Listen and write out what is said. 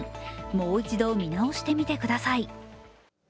もう一度見直してみてください。